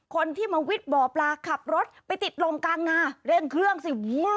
คนที่มาวิทย์บ่อปลาขับรถไปติดลมกลางนาเร่งเครื่องสิ